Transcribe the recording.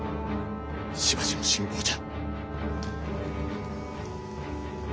しばしの辛抱じゃ。